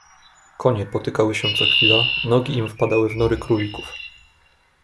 "Konie potykały się co chwila, nogi im wpadały w nory królików."